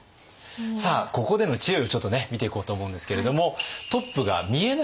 さあここでの知恵をちょっとね見ていこうと思うんですけれども。